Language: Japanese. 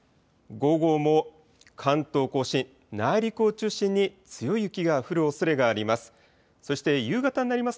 午後も関東甲信、内陸を中心に強い雪が降るおそれがあります。